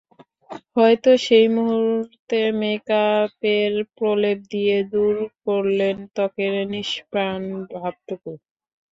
হয়তো সেই মুহূর্তে মেকআপের প্রলেপ দিয়ে দূর করলেন ত্বকের নিষ্প্রাণ ভাবটুকু।